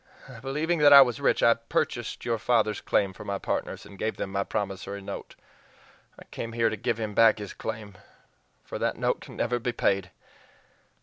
Believing that I was rich, I purchased your father's claim for my partners, and gave him my promissory note. I came here to give him back his claim for that note can NEVER be paid!